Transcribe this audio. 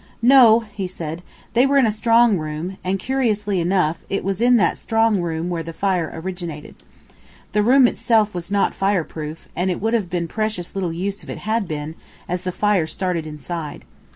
"No," he said, "they were in a strong room; and curiously enough, it was in that strong room where the fire originated. The room itself was not fire proof, and it would have been precious little use if it had been, as the fire started inside.